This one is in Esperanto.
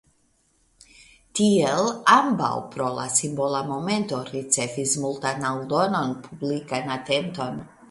Tiel ambaŭ pro la simbola momento ricevis multan aldonan publikan atenton.